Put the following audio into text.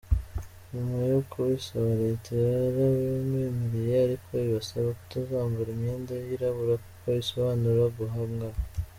Nyuma yo kubisaba Leta yarabibemereye ariko ibasaba kutazambara imyenda yirabura kuko isobanura guhangana.